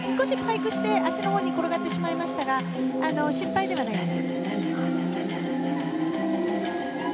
少し脚のほうに転がってしまいましたが失敗ではないです。